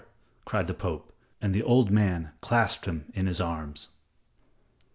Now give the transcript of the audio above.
cried the Pope, and the old man clasped him in his arms.